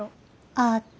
「ああ」って？